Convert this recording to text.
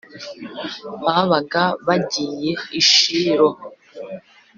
babaga bagiye i shilo